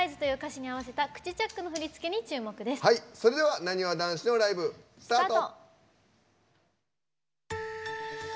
それではなにわ男子のライブ、スタート。